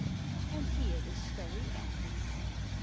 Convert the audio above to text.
And here the story ends.